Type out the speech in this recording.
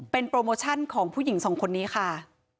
เป็นโปรโมชั่นของผู้หญิงสองคนนี้ค่ะ